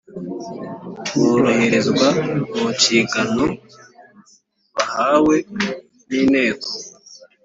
boroherezwa mu nshigano bahawe n Inteko